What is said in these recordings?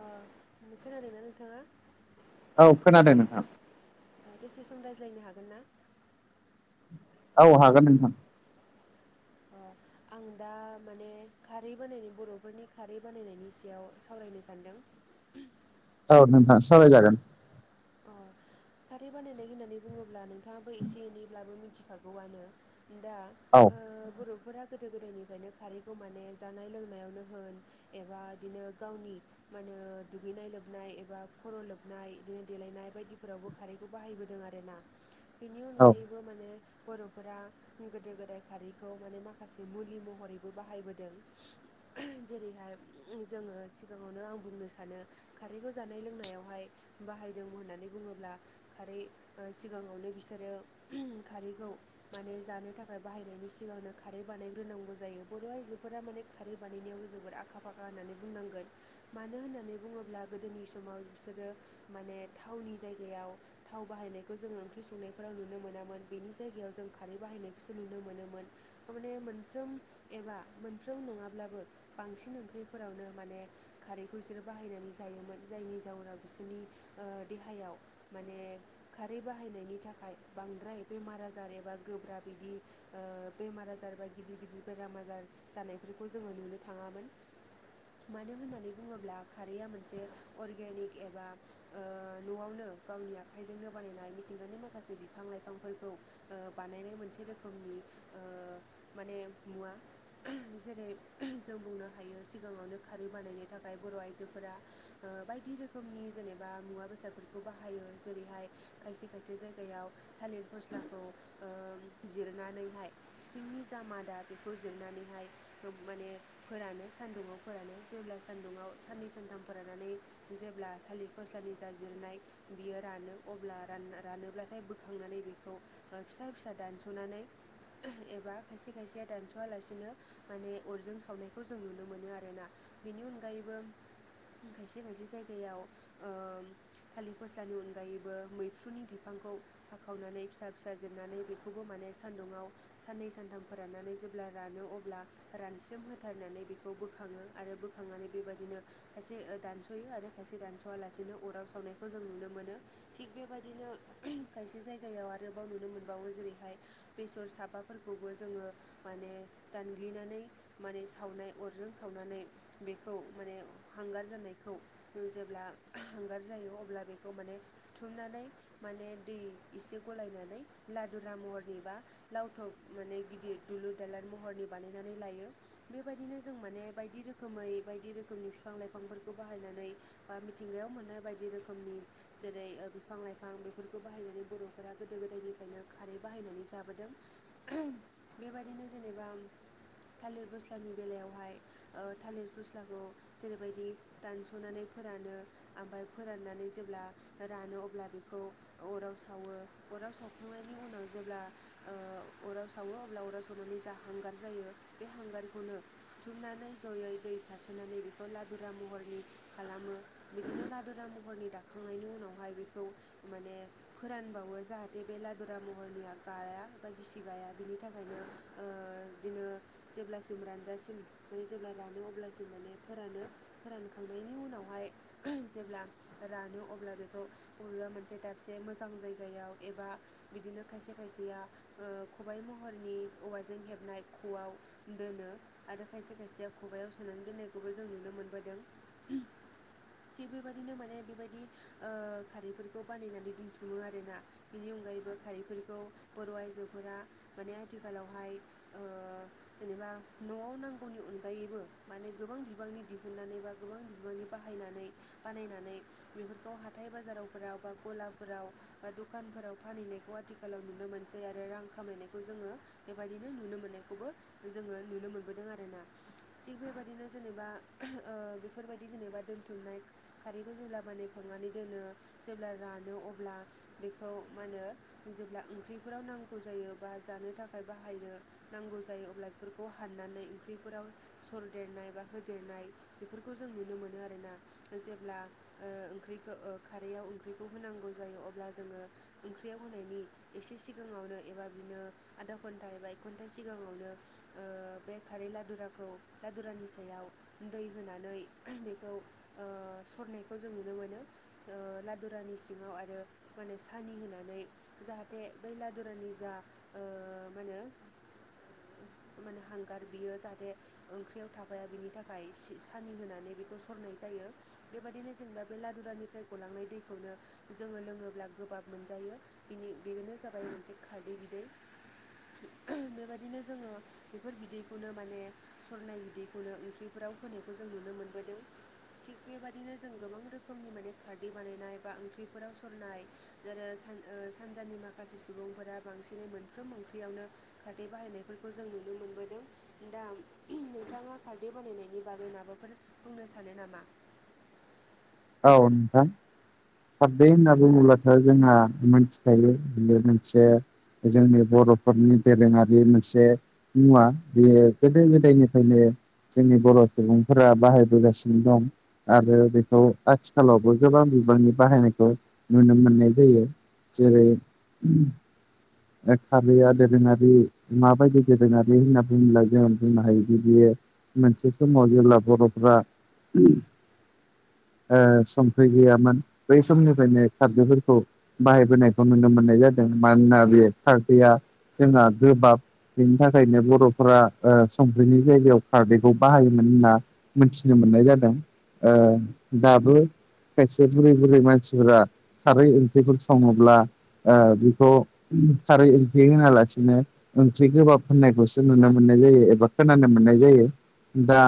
अ खोनादोंना नोंथाङा औ खोनादों नोंथां। दसे सम रायज्लायनो हागोन ना औ हागोन नोंथां। अ आं दा माने खारै बानायनाय बर'फोरनि खारै बानायनायनि सायाव सावरायनो सानदों। औ नोंथां सावराय जागोन। अ खारै बानायनाय होननानै बुङोब्ला नोंथाङाबो एसे एनैब्लाबो मिथिखा गौआनो दा औ बर'फोरा गोदो गोदायनिफ्रायनो खारैखौ माने जानाय लोंनायावनो होन एबा बिदिनो गावनि मा होनो दुगैनाय लोबनाय एबा खर' लोबनाय बिदिनो देलायनाय बायदिफोरावबो खारैखौ बाहायबोदों आरो ना बेनि औ अनगायैबो माने बर'फोरा गोदो-गोदाय खारैखौ माने माखासे मुलि महरैबो बाहायबोदों। जेरैहाय ओम जोङो सिगाङावनो आं बुंनो सानो। खारैखौ जानाय लोंनायावहाय बाहायदों होननानै बुङोब्ला खारै ओ सिगाङावनो बिसोरो ओहोम खारैखौ माने जानो थाखाय बाहायनायनि सिगांनो खारै बानायग्रोनांगौ जायो बर' आइजोफोरा माने खारै बानायनायावनो जोबोद आखा-फाखा होननानै बुंनांगोन। मानो होननानै बुङोब्ला गोदोनि समाव बिसोरो माने थावनि जायगायाव थाव बाहायनायखौ जों ओंख्रि संनायफोराव नुनो मोनामोन बेनि जायगायाव जों खारै बाहायनायखौसो नुनो मोनोमोन। थारमाने मोनफ्रोम एबा मोनफ्रोम नङाब्लाबो बांसिन ओंख्रिफोरावनो माने खारैखौ बिसोरो बाहायनानै जायोमोन जायनि जाउनाव बिसोरनि ओ देहायाव माने खारै बाहायनायनि थाखाय बांद्राय बेमार आजार एबा गोब्राब बिदि ओ बेमार आजार बा गिदिर गिदिर बेराम आजार जानायफोरखौ जोङो नुनो थाङामोन। मानो होननानै बुङोब्ला खारैआ मोनसे अर्गेनिक एबा ओ न'आवनो गावनि आखाइजोंनो बानायनाय मिथिंगानि माखासे बिफां लाइफांफोरखौ ओ बानायनाय मोनसे रोखोमनि ओ माने मुवा। जेरै जों बुंनो हायो सिगाङावनो खारै बानायनो थाखाय बर' आइजोफोरा ओ बायदि रोखोमनि जेनेबा मुवा बेसादफोरखौ बाहायो जेरैहाय खायसे खायसे जायगायाव थालिर फस्लाखौ ओ जिरनानैहाय सिंनि जा मादा बेखौ जिरनानैहाय ओ माने फोरानो सान्दुङाव फोरानो जेब्ला सानदुङाव साननै सानथाम फोराननानै जेब्ला थालिर फस्लानि जा जिरनाय बियो रानो अब्ला रान-रानोब्लाथाय बोखांनानै बेखौ ओ फिसा फिसा दानस'नानै एबा खायसे खायसेया दानस'आलासिनो माने अरजों सावनायखौ जों नुनो मोनो आरोना। बेनि अनगायैबो खायसे खायसे जायगायाव ओम थालिर फस्लानि अनगायैबो मैथ्रुनि बिफांखौ हाखावनानै फिसा फिसा जिरनानै बेखौबो माने सान्दुुंआव साननै सानथाम फोराननानै जेब्ला रानो अब्ला रानस्रोम होथारनानै बेखौ बोखाङो आरो बोखांनानै बेबायदिनो खायसे ओ दानस'यो आरो खायसे दानस'आलासेनो अराव सावनायखौ जों नुनो मोनो। थिग बेबायदिनो खायसे जायगायाव आरोबाव नुनो मोनबावो जेरैहाय बेसर साबाफोरखौबो जोङो माने दानग्लिनानै माने सावनाय अरजों सावनानै बेखौ माने हांगार जानायखौ जों जेब्ला हांगार जायो अब्ला बेखौ माने हुथुमनानै माने दै एसे गलायनानै लादुरा महरनि एबा लावथब माने गिदिर दुलुर दालार महरनि बानायनानै लायो बेबायदिनो जों माने बायदि रो खोमै बायदि रोखोमनि बिफां-लाइफांफोरखौ बाहायनानै बा मिथिंगायाव मोननाय बायदि रोखोमनि जेरै ओ बिफां-लाइफां बेफोरखौ बाहायनानै बर'फोरा गोदो-गोदायनिफ्रायनो खारै बाहायनानै जाबोदों। बेबायदिनो जेनेबा थालिर फस्लानि बेलायावहाय ओ थालिर फस्लाखौ जेरैबायदि दानस'नानै फोरानो ओमफ्राय फोराननानै जेब्ला रानो अब्ला बेखौ अराव सावो, अराव सावखांनायनि उनाव जेब्ला ओ अराव सावो अब्ला अराव सावनानै जा हांगार जायो बे हांगारखौनो फुथुमनानै जयै दै सारसोनानै बेखौ लादुरा महरनि खालामो। बिदिनो लादुरा महरनि दाखांनायनि उनावहाय बेखौ माने फोरानबावो जाहाथे बे लादुरा महरनिया गाया बा गिसि गाया बिनि थाखायनो। ओ बिदिनो जेब्लासिम रानजासिम माने जेब्ला रानो अब्लासिम माने फोरानो। फोरानखांनायनि उनावहाय जेब्ला रानो अब्ला बेखौ बबेबा मोनसे दाबसे मोजां जायगायाव एबा बिदिनो खायसे खायसेया ओ खबाइ महरनि औवाजों हेबनाय ख'आव दोनो आरो खायसे खायसे खबायाव सोनानै दोननायखौबो जों नुनो मोनबोदों। थिग बेबायदिनो माने बेबायदि ओ खारैफोरखौ बानायनानै बुथुमो आरो ना बेनि अनगायैबो खारैफोरखौ बर' आइजोफोरा माने आथिखालावहाय ओ जेनेबा न'आव नांगौनि अनगायैबो माने गोबां बिबांनि दिहुनन्नानै बा गोबां बिबांनि बाहायनानै बानायनानै बेफोरखौ हाथाय बाजारावफोराव बा गलाफोराव बा दखानफोराव फानहैनायखौ आथिखालाव नुनो मोनसै आरो रां खामायनायखौ जोङो बेबायदिनो नुनो मोननायखौबो जोङो नुनो मोनबोदों आरो ना। थिग बेबायदिनो जेनेबा ओ बेफोरबायदि जेनेबा दोन्थुमनाय खारैखौ जेब्ला बानायखांनानै दोनो जेब्ला रानो अब्ला बेखौ मा होनो जेब्ला ओंख्रिफोराव नांगौ जायो बा जानो थाखाय बाहायनो नांगौ जायो अब्ला बेफोरखौ हाननानै ओंख्रिफोराव सरदेरनाय बा होदेरनाय बेफोरखौ जों नुनो मोनो आरो ना। जेब्ला ओ ओंख्रिखौ ओ खारैआव ओंख्रिखौ होनांगौ जायो अब्ला जोङो ओंख्रियाव होनायनि एसे सिगाङावनो एबा बिनो आधा घन्टा एबा एक घन्टा सिगाङावनो ओ बे खारै लादुराखौ लादुरानि सायाव दै होनानै बेखौ ओ सरनायखौ जों नुनो। ओ लादुरानि सिङाव आरो माने सानि होनानै जाहाथे बै लादुरानि जा ओ मा होनो माने हांगार बियो जाहाथे ओंख्रियाव थाफाया बिनि थाखाय सानि होनानै बेखौ सरनाय जा यो बेबायदिनो जेनेबा बे लादुरानिफ्राय गलांनाय दैखौनो जोङो लोङोब्ला गोबाब मोनजायो बिनि बेनो जाबाय मोनसे खारदै बिदै। बेबायदिनो जोङो बेफोर बिदैखौनो माने सरनाय बिदैखौनो ओंख्रिफोराव फोनायखौ जों नुनो मोनबोदों। थिग बेबाददिनो जों गोबां रोखोमनि माने खारदै बानायनाय बा ओंख्रिफोराव सरनाय जेरै ओ सान सानजानि माखासे सुबुंफोरा बांसिनै मोनफ्रोम ओंख्रियावनो खारदै बाहायनायफोरखौ जों नुनो मोनबोदों। दा नोंथांङा खारदै बानायनायनि बागै माबाफोर बुंनो सानो नामा? औ नोंथां। खारदै होनना बुंङोब्लाथ' जोंहा मोनथिखायो बे मोनसे जोंनि बर'फोरनि दोरोंङारि मोनसे मुवा बेयो गोदो गोदायनिफ्रायनो जोंनि बर' सुबुंफोरा बाहायबोगासिनो दं। आरो बेखौ आथिखालावबो गोबां बिबांनि बाहायनायखौ नुनो मोननाय जायो जेरै खारैया दोरोंङारी। माबायदि दोरोंङारि होनना बुंङो जों बुंनो हायोदि बियो मोनसे समाव जेब्ला बर'फ्रा ओ संख्रै गैयामोन बै समनिफ्रायनो खारदैफोरखौ बाहायबोनायखौ नुनो मोननाय जादों मानोना बे खारदैया जोंहा गोबाब। बिनि थाखायनो बर'फोरा ओ संख्रिनि जायगायाव खारदैखौ बाहायोमोन होनना मोनथिनो मोननाय जादों ओ दाबो खायसे बुरै मानसिफोरा खारै ओंख्रिफोर संङोब्ला ओ बेखौ खारै ओंख्रि होनालासिनो ओंख्रि गोबाब होनायखौसो नुनो मोननाय जायो एबा खोनानो मोननाय जायो। दा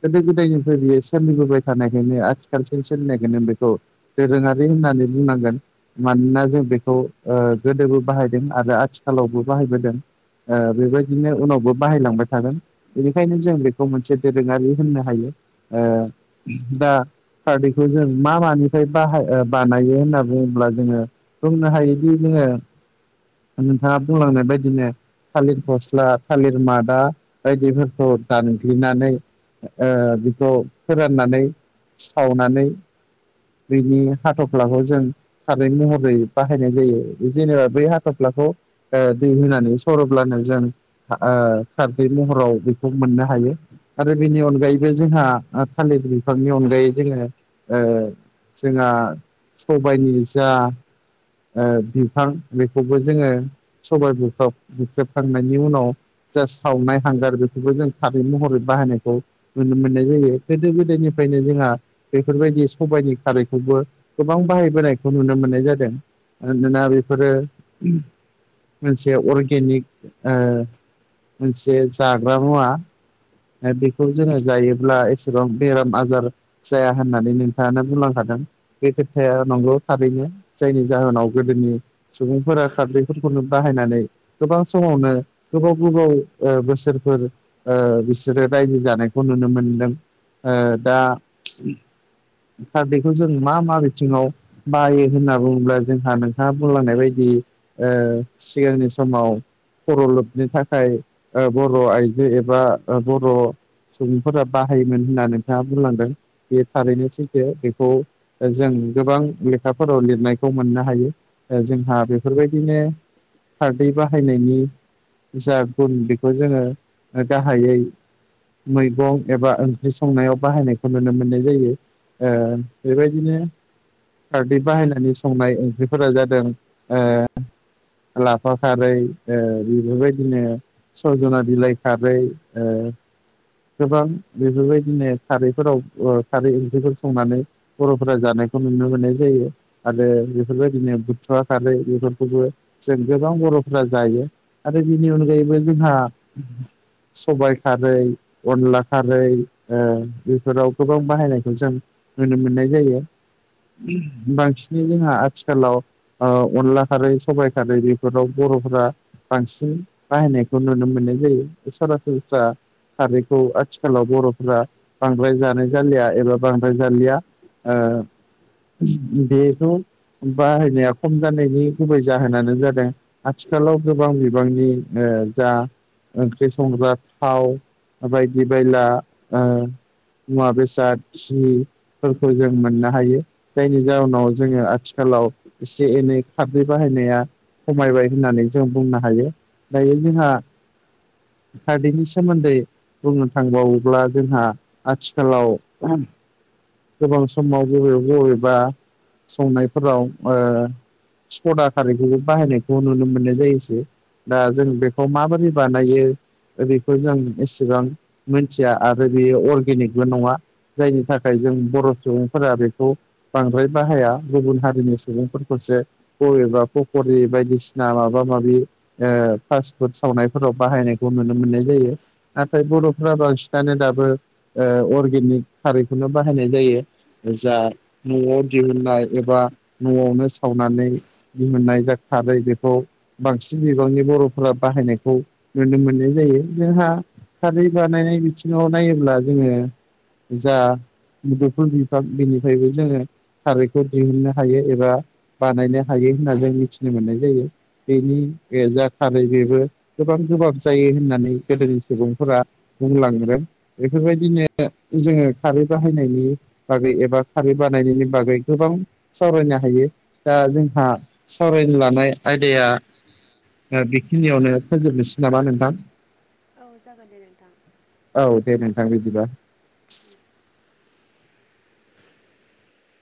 गोदो गोदायनिफ्राय बियो सोलिबोबाय थानायखायनो आथिखालसिम सोलिनायखौनो बेखौ दोरोंङारि होननानै बुंनांगोन। मानोना जों बेखौ ओ गोदोबो बाहायदों आरो आथिखालावबो बाहायबोदों। ओ बेबायदिनो उनावबो बाहायलांबाय थागोन। बेनिखायनो जों बेखौ मोनसे दोरोंङारि होननो हायो। ओ दा खारदैखौ जों मा मानिफ्राय बाहायो बानायो होनना बुंङोब्ला जोंङो बुंनो हायोदि जोंङो नोंथांङा बुंलांनाय बायदिनो। थालिर फस्ला थालिर मादा बायदिफोरखौ दानग्लिनानै। ओ बेखौ फोराननानै। सावनानै बिनि हाथ'फ्लाखौ जों। खारै महरै बाहायनाय जायो। जेनेबा बै हाथ'फ्लाखौ ओ दै होनानै सरोब्लानो जों खा ओ खारदै महराव बेखौ मोननो हायो। आरो बिनि अनगायैबो जोंहा थालिर बिफांनि अनगायै। जोंङो ओ जोंहा सबायाइनि जा ओ बिफां बेखौबो जोंङो सबाय बुख्रब बुख्रेबखांनायनि उनाव। जा सावनाय हांगार बेफोरखौबो जों खारै महरै बाहायनायखौ नुनो मोननाय जायो गोदो गोदायनिफ्रायनो जोंहा। बेफोरबायदि सबायाइनि खारैखौबो गोबां बाहायबोनायखौ नुनो मोननाय जादों। [unintelligible] बेफोरो। मोनसे अर्गेनिक ओ मोनसे जाग्रा मुवा। ओ बेखौ जोंङो जायोब्ला एसेबां बेराम आजार जाया होननानै नोंथांङानो बुंलांखादों। बे खोथाया नंगौ थारैनो जायनि जाहोनाव गोदोनि। सुबुंफोरा खारदैफोरखौनो बाहायनानै गोबां समावनो गोबाव गोबाव ओ बोसोरफोर ओ बिसोरो रायजो जानायखौ नुनो मोनदों। ओ दा खारदैखौ जों मा मा बिथिंआव बायो होनना बुङोब्ला जोंहा नोंथाङा बुंलांनाय बायदि ओ सिगांनि समाव खर' लोबनो थाखाय ओ बर' आइजो एबा बर' सुबुंफोरा बाहायोमोन होनना नोंथाङा बुंलांदों। बे थारैनो सैथो बेखौ जों गोबां लेखाफोराव लिरनायखौ मोननो हायो। जोंहा बेफोरबायदिनो खारदै बाहायनायनि जा गुन बेखौ जोङो गाहायै मैगं एबा ओंख्रि संनायाव बाहायनायख नुनो मोननाय जायो ओ बेबायदिनो। खारदै बाहायनानै संनाय ओंख्रिफोरा जादों। लाफा खारै ओ बेबायदिनो। सजना बिलाइ खारै गोबां बेफोरबायदिनो खारैफोराव ओ खारै ओंख्रिफोर संनानै। बर'फोरा जानायखौ नुनो मोननाय जायो। आरो बेफोरबायदिनो बुथुवा खारै बेफोरखौबो जों गोबां बर'फोरा जायो। आरो बिनि अनगायैबो जोंहा सबाय खारै अनला खारै ओ बेफोराव गोबां बाहायनायखौ जों नुनो मोननाय जायो बांसिनै जोंहा आथिखालाव ओ अनला खारै सबायाइ खारै बेफोराव बर'फोरा बांसिन बाहायनायखौ नुनो मोननाय जायो सरासनस्रा खारैखौ आथिखालाव बर'फोरा बांद्राय जानाय जालिया एबा बांद्राय जालिया। ओ बेखौ बाहायनाया खम जानायनि गुबै जाहोनानो जादों। आथिखालाव गोबां बिबांनि ओ जा ओंख्रि संग्रा थाव बायदि बायला ओ मुवा बेसाद जि फोरखौ जों मोननो हायो‌। जायनि जाहोनाव जोङो आथिखालाव एसे एनै खारदै बाहायनाया खमायबाय होननानै जों बुंनो हायो दायो जोंहा खारदैनि सोमदै बुंनो थांबावोब्ला जोंहा आथिखालाव। गोबां समाव बबवे बबेबा संनायफोराव ओ सदा खारैखौबो बाहायनायखौ नुनो मोननाय जायोसो। दा जों बेखौ माबोरै बानायो दा बेखौ जों ऐसेबां मिथिया आरो बेयो अर्गेनिकबो नङा। जायनि थाखाय जों बर' सुबुंफोरा बेखौ। बांद्राय बाहाया गुबुन हारिनि सुबुंफोरखौसो बबेबा पकरि बायदिसिना माबा माबि ओ पासफुड सावनायफोराव बाहायनायखौ मोननाय जायो। नाथाय बर'फोरा बांसिनानो दाबो ओ अरगेनिक खारैखौनो बाहायनाय जायो। जा न'आव दिहुननाय एबा न'आवनो सावनानै दिहुननाय जाखारै बेखौ बांसिन बिबांनि बर'फोरा बाहायनायखौ नुनो मोननाय जायो जोंहा। खारै बानायनाय बिथिङाव नायोब्ला जोङो जा मुदुफुल बिफांनिफ्रायबो जोङो खारैखौ दिहुननो हायो एबा बानायनो हायो होननानै जों मिथिनो मोननाय जायो। बेनि बे जाथारै बेबो गोबां गोबाब जायो होननानै गोदोनि सुबुंफोरा बुंलांदों बेफोरबायदिनो जोङो खारै बाहायनायनि बागै एबा खारै बानायनायनि बागै गोबां सावरायनो हायो‌। दा जोंहा सावरायनो लानाय आयदाया दा बेखिनियावनो फोजोबनोसै नामा नोंथां। औ जागोन दे नोंथां। औ दे नोंथां बिदिबा।